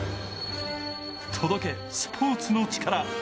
届け、スポーツのチカラ